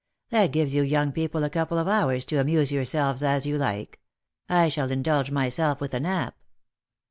That gives you young people a couple of hours to amuse yourselves as you like. I shall indulge myself with a nap."